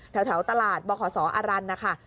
แถวตลาดบศอารันทร์